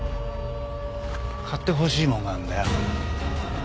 買ってほしいもんがあるんだよ。